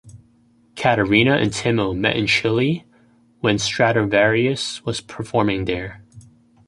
Caterina and Timo met in Chile when Stratovarius was performing there.